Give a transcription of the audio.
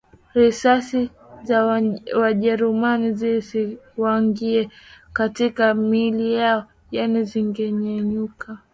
risasi za Wajerumani zisingewaingia katika miili yao yaani zingeyeyuka